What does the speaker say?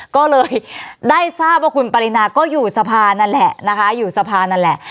ก็เลยได้ทราบว่าคุณปรินาก็อยู่สะพานนั่นแหละนะคะอยู่สะพานนั่นแหละ